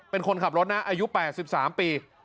เป็นคนขับรถนะอายุ๘๓ปี